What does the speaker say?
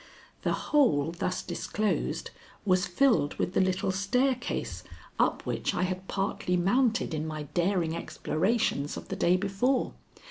The hole thus disclosed was filled with the little staircase up which I had partly mounted in my daring explorations of the day before.